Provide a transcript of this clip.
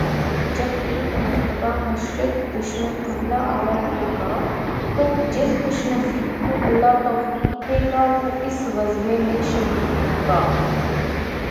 جب ایک مرتبہ مشرک دشمن حملہ آور ہو گا، تو جس خوش نصیب کو اللہ توفیق دے گا وہ اس غزوہ میں شریک ہوگا۔۔